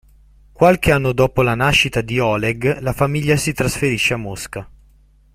Qualche anno dopo la nascita di Oleg, la famiglia si trasferisce a Mosca.